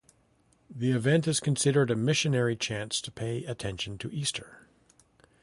The event is considered a missionary chance to pay attention to Easter.